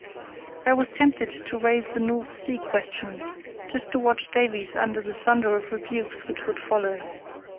I was tempted to raise the North Sea question, just to watch Davies under the thunder of rebukes which would follow.